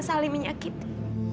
hanya bisa saling menyakiti